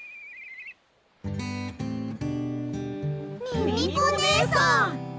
ミミコねえさん！